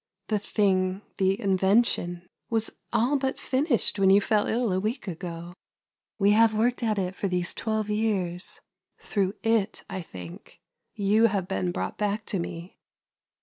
The thing — the invention — was all but finished when you fell ill a week ago. We have worked at it for these twelve years ; through it, I think, you have been brought back to me.